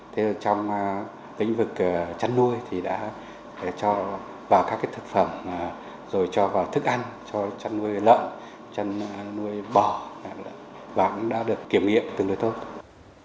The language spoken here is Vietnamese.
trong lĩnh vực chăn nuôi thì đã cho vào các thực phẩm rồi cho vào thức ăn cho chăn nuôi lợn chăn nuôi bò và cũng đã được kiểm nghiệm từ người thông